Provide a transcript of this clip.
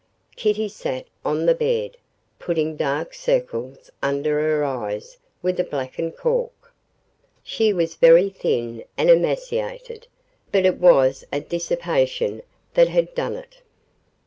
Kitty sat on the bed, putting dark circles under her eyes with a blackened cork. She was very thin and emaciated, but it was dissipation that had done it.